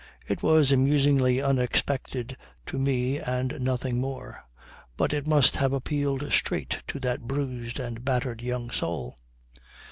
It was amusingly unexpected to me and nothing more. But it must have appealed straight to that bruised and battered young soul.